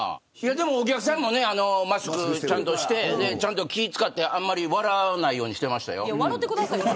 でもお客さんもマスクちゃんとして気を使って、あまり笑わないようにしていましたよ。